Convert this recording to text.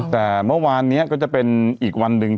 แต่เมื่อวานนี้ก็จะเป็นอีกวันหนึ่ง